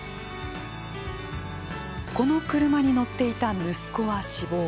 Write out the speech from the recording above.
この車に乗っていた息子は死亡。